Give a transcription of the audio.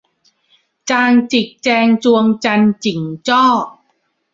จางจิกแจงจวงจันน์ จิ่งจ้อ